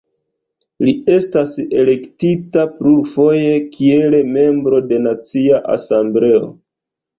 Li estas elektita plurfoje kiel Membro de Nacia Asembleo.